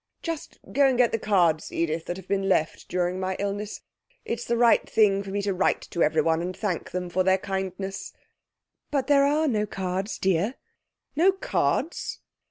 Just go and get the cards, Edith, that have been left during my illness. It's the right thing for me to write to everyone, and thank them for their kindness.' 'But there are no cards, dear.' 'No cards?'